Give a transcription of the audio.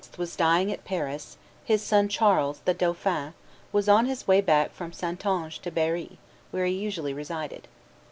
was dying at Paris, his son Charles, the dauphin, was on his way back from Saintonge to Berry, where he usually resided.